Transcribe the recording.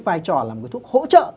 vai trò là một cái thuốc hỗ trợ